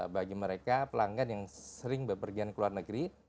bagi mereka pelanggan yang sering berpergian ke luar negeri